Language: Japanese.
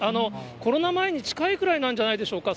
コロナ前に近いくらいなんじゃないでしょうか。